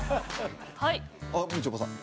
はいあっみちょぱさん